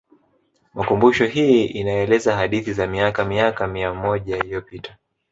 Makumbusho hii inaeleza hadithi za miaka miaka mia moja iliyopita